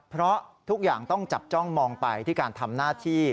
เพราะทุกอย่างต้องจับจ้องมองไปที่การทำหน้าที่